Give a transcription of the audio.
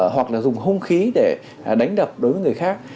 hoặc là dùng hung khí để đánh đập đối với người khác